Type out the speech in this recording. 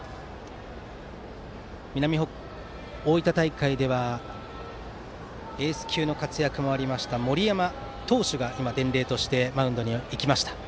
大分大会ではエース級の活躍もあった森山投手が伝令としてマウンドに行きました。